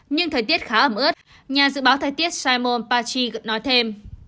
nhưng thời tiết khá ấm ướt nhà dự báo thời tiết simon pachy nói thêm